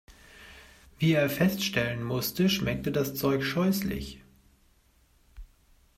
Wie er feststellen musste, schmeckte das Zeug scheußlich.